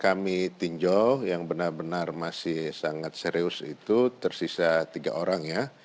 kami tinjau yang benar benar masih sangat serius itu tersisa tiga orang ya